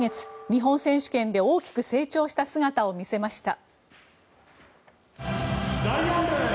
日本選手権で大きく成長した姿を見せました。